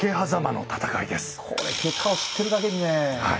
これ結果を知ってるだけにね。